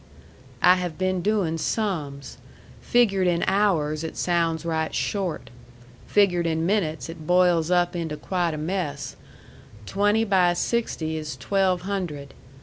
"I have been doing sums. Figured in hours it sounds right short. Figured in minutes it boils up into quite a mess. Twenty by sixty is twelve hundred.